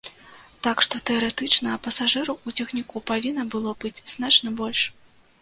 Так што, тэарэтычна, пасажыраў у цягніку павінна было быць значна больш.